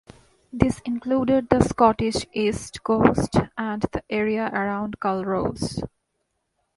These included the Scottish east coast and the area around Culross.